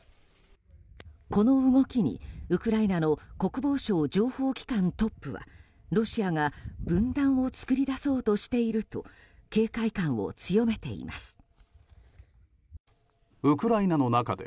この動きにウクライナの国防省情報機関トップはロシアが分断を作り出そうとしていると警戒感を強めています。